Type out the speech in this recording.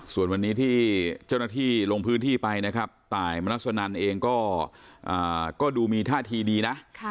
ส่วนวันนี้ที่เจ้าหน้าที่ลงพื้นที่ไปนะครับตายมนัสนันเองก็ดูมีท่าทีดีนะ